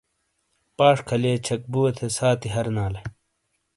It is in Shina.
پاش کھلئے چھک بُوے تھے ساتھی ہرنالے ۔